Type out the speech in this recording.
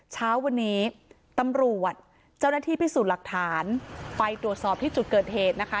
เช้าวันนี้ตำรวจเจ้าหน้าที่พิสูจน์หลักฐานไปตรวจสอบที่จุดเกิดเหตุนะคะ